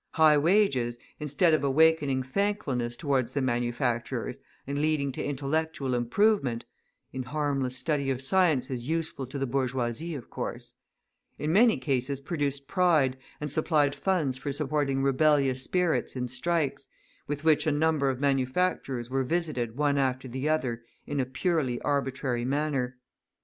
High wages, instead of awakening thankfulness towards the manufacturers and leading to intellectual improvement (in harmless study of sciences useful to the bourgeoisie, of course), in many cases produced pride and supplied funds for supporting rebellious spirits in strikes, with which a number of manufacturers were visited one after the other in a purely arbitrary manner.